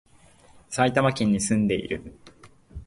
埼玉県に住んでいる